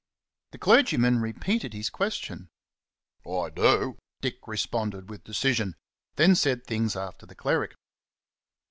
The clergyman repeated his question. "I do!" Dick responded with decision, then said things after the cleric.